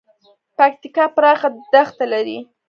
پکتیکا پراخه دښتې لري